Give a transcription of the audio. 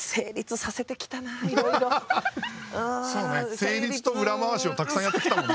成立と裏回しをたくさんやってきたもんね。